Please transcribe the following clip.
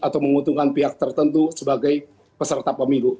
kemengutungan pihak tertentu sebagai peserta pemilu